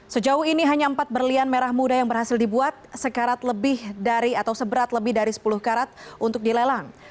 sejauh ini hanya empat berlian merah muda yang berhasil dibuat seberat lebih dari sepuluh karat untuk dilelang